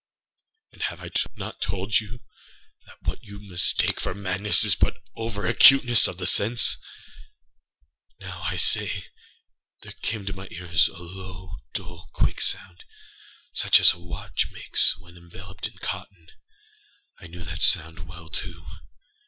And have I not told you that what you mistake for madness is but over acuteness of the sense?ânow, I say, there came to my ears a low, dull, quick sound, such as a watch makes when enveloped in cotton. I knew that sound well, too.